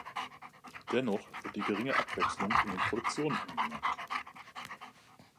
Dennoch wird die geringe Abwechslung in den Produktionen angemerkt.